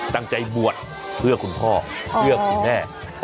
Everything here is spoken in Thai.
ตั้งใจบวชเพื่อคุณพ่อเพื่อคุณแม่